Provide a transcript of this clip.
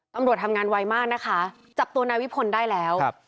ตำรวจทำงานไวมากนะคะจับตัวนายวิพลได้แล้ว